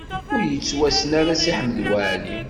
Ur yettwassen ara Si Ḥmed Waɛli.